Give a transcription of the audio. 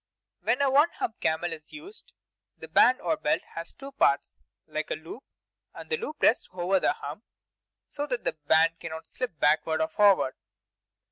When a One Hump camel is used, the band or belt has two parts, like a loop; and the loop rests over the hump, so that the band cannot slip backward or forward.